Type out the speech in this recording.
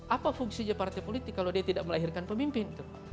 apa fungsinya partai politik kalau dia tidak melahirkan pemimpin